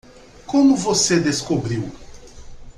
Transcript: Como você descobriu?